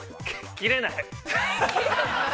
◆切れない？